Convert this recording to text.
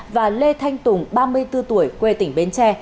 và lê thanh tùng ba mươi bốn tuổi quê tỉnh bến tre